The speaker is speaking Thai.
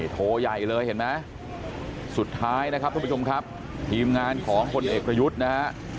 โทรใหญ่เลยเห็นไหมสุดท้ายนะครับทุกผู้ชมครับทีมงานของคนเอกประยุทธ์นะฮะ